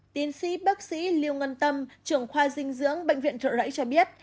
tiến sĩ bác sĩ lưu ngân tâm trưởng khoa dinh dưỡng bệnh viện trợ rẫy cho biết